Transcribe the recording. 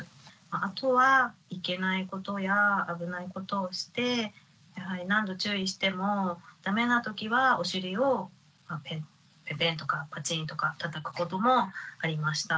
あとはいけないことや危ないことをしてやはり何度注意してもダメなときはおしりをぺんぺんとかパチンとかたたくこともありました。